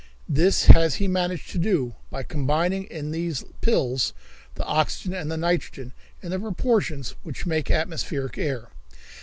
This has he managed to do by combining in these pills the oxygen and the nitrogen in the proportions which make atmospheric air.